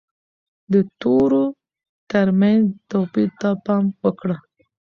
د تورو ترمنځ توپیر ته پام وکړه.